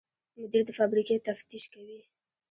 مدیر د فابریکې تفتیش کوي.